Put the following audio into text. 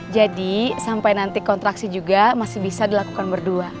jadi sampe nanti kontraksi juga masih bisa dilakukan berdua